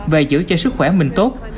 và giữ cho sức khỏe mình tốt